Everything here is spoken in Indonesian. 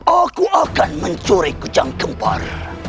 aku akan mencuri kucang kempar